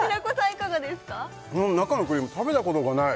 いかがですか中のクリーム食べたことがない